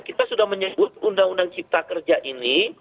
kita sudah menyebut undang undang cipta kerja ini